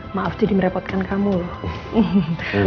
maaf jadi merepotkan kamu loh